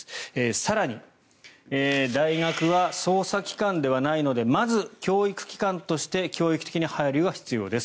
更に、大学は捜査機関ではないのでまず教育機関として教育的配慮が必要です。